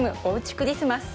クリスマス